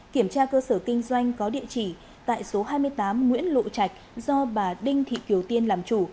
kiểm tra cơ sở kinh doanh có địa chỉ tại số hai mươi tám nguyễn lộ trạch do bà đinh thị kiều tiên làm chủ